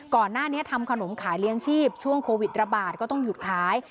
ก่อนหน้านี้ทำขนมขายเลี้ยงชีพช่วงโควิดระบาดก็ต้องหยุดขาย